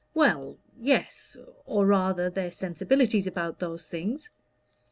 "Well yes or rather, their sensibilities about those things."